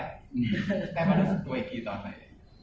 ใกล้พอรู้สึกตัวอีกกี่ตอนไป